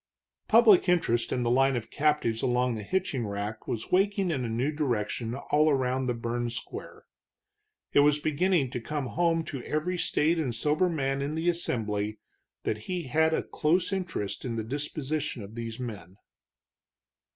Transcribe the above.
Public interest in the line of captives along the hitching rack was waking in a new direction all around the sun burned square. It was beginning to come home to every staid and sober man in the assembly that he had a close interest in the disposition of these men.